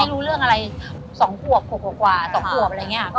ไม่รู้เรื่องอะไรสองขวบหัวกว่ากว่าสองขวบอะไรอย่างเงี้ย